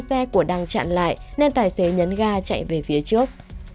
xe của đăng chặn lại nên tài xế nhấn ga chạy về phía trước